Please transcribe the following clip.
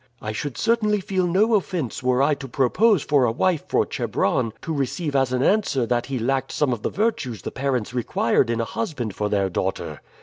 I should certainly feel no offense were I to propose for a wife for Chebron to receive as an answer that he lacked some of the virtues the parents required in a husband for their daughter.